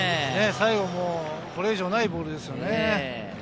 最後も、これ以上ないボールですね。